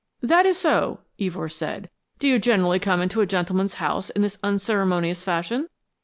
"That is so," Evors said. "Do you generally come into a gentleman's house in this unceremonious fashion?"